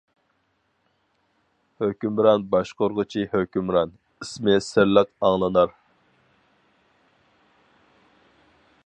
ھۆكۈمران باشقۇرغۇچى ھۆكۈمران، ئىسمى سىرلىق ئاڭلىنار.